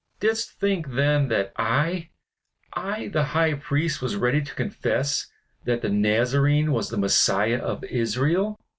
Didst think then that I I the High Priest, was ready to confess that the Nazarene was the Messiah of Israel!